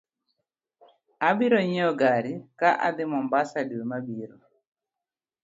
Abiro nyieo gari ka adhi mombasa dwe ma biro